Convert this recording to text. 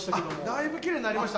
だいぶキレイになりました